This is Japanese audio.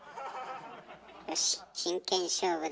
よし真剣勝負だ。